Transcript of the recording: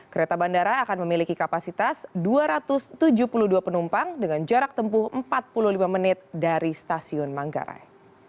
kereta bandara akan memiliki kapasitas dua ratus tujuh puluh dua penumpang dengan jarak tempuh empat puluh lima menit dari stasiun manggarai